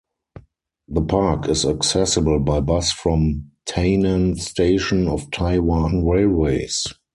The park is accessible by bus from Tainan Station of Taiwan Railways.